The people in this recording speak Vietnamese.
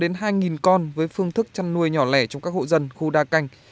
trung bình mỗi xã có từ năm trăm linh đến hai con với phương thức chăn nuôi nhỏ lẻ trong các hộ dân khu đa canh